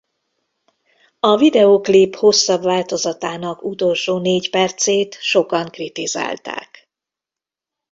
A videóklip hosszabb változatának utolsó négy percét sokan kritizálták.